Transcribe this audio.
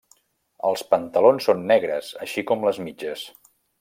Els pantalons són negres així com les mitges.